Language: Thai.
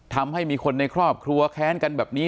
ทำให้มีคนในครอบครัวแค้นกันแบบนี้